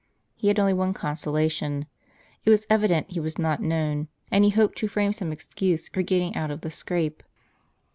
He had only one consolation ; it was evident he was not known, and he hoped to frame some excuse for getting out of the scrape.